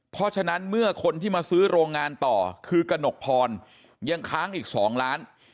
เพราะฉะนั้นเมื่อคนที่มาซื้อโรงงานต่อคือกระหนกพรยังค้างอีก๒ล้าน